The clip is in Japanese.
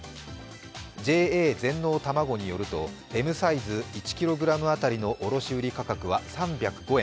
ＪＡ全農たまごによるとＭサイズ１ｋｇ当たりの卸売価格は３０５円。